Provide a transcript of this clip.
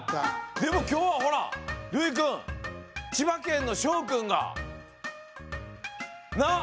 でもきょうはほらるいくんちばけんのしょうくんがなっ？